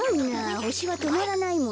ほしはとまらないもんね。